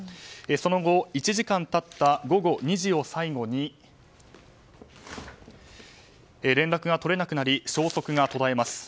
その後、１時間経った午後２時を最後に連絡が取れなくなり消息が途絶えます。